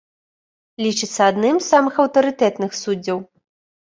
Лічыцца адным з самых аўтарытэтных суддзяў.